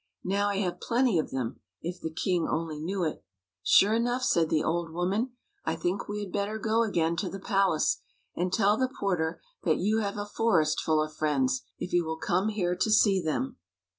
Now I have plenty of them, if the king only knew it." " Sure enough! " said the old woman. " I think we had better go again to the palace, and tell the porter that you have a Forest Full of Friends, if he will come here to see them."